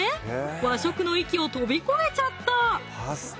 和食の域を飛び越えちゃった！